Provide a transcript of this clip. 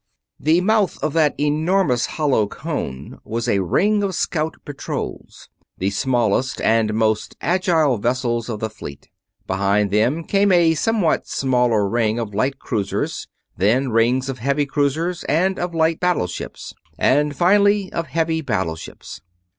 The mouth of that enormous hollow cone was a ring of scout patrols, the smallest and most agile vessels of the fleet. Behind them came a somewhat smaller ring of light cruisers, then rings of heavy cruisers and of light battleships, and finally of heavy battleships.